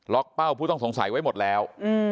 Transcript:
เป้าผู้ต้องสงสัยไว้หมดแล้ว